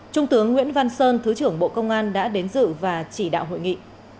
trung tướng nguyễn văn sơn thứ trưởng bộ công an đã đến dự và chỉ đạo hội nghị